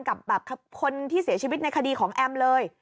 กับคนที่เสียชีวิตในคดีของแอมเลย